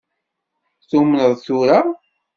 Tumneḍ tura?